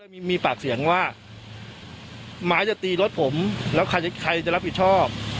มีปากเสียงว่าหมาจะตีรถผมแล้วใครจะรับผิดชอบ